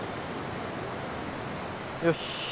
よし。